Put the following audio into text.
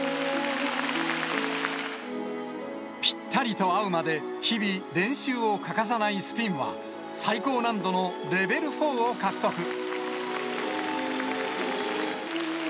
ぴったりと合うまで、日々、練習を欠かさないスピンは、最高難度のレベル４を獲得。